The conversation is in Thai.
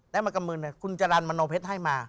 มากำมืนคุณจรรย์มโนเพชรให้มา